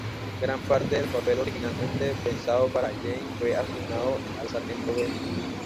Gran parte del papel originalmente pensado para Jamie fue asignado al Sargento Benton.